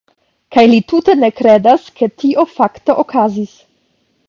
Kaj li tute ne kredas, ke tio fakte okazis.